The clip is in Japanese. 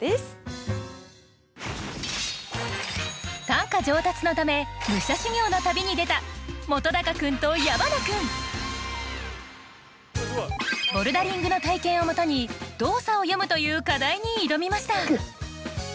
短歌上達のため武者修行の旅に出た本君と矢花君ボルダリングの体験をもとに「動作を詠む」という課題に挑みました。